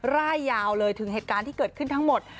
ร่ายยาวเลยถึงเหตุการณ์ที่เกิดขึ้นทั้งหมด